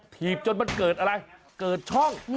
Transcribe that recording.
ถีบจนมันเกิดอะไรเกิดช่อง